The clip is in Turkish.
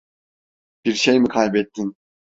Bir şey mi kaybettin?